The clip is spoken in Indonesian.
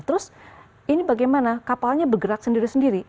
terus ini bagaimana kapalnya bergerak sendiri sendiri